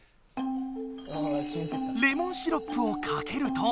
レモンシロップをかけると。